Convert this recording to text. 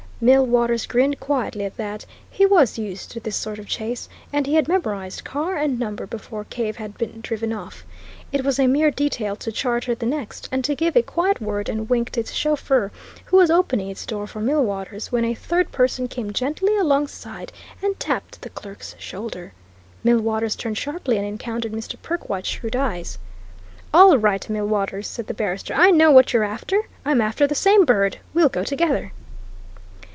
Millwaters grinned quietly at that; he was used to this sort of chase, and he had memorized car and number before Cave had been driven off. It was a mere detail to charter the next, and to give a quiet word and wink to its chauffeur, who was opening its door for Millwaters when a third person came gently alongside and tapped the clerk's shoulder. Millwaters turned sharply and encountered Mr. Perkwite's shrewd eyes. "All right, Millwaters!" said the barrister. "I know what you're after! I'm after the same bird. We'll go together."